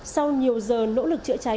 sau nhiều giờ nỗ lực chữa cháy